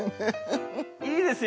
いいですね。